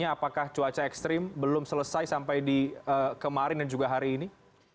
apakah cuaca ekstrim belum selesai sampai di kemarin dan juga hari ini